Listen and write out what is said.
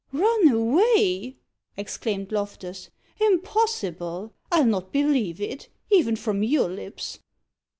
"Run away!" exclaimed Loftus. "Impossible! I'll not believe it even from your lips."